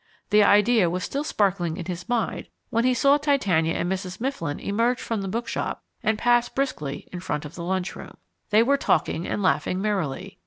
The idea was still sparkling in his mind when he saw Titania and Mrs. Mifflin emerge from the bookshop and pass briskly in front of the lunchroom. They were talking and laughing merrily.